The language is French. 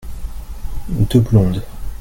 deux blondes.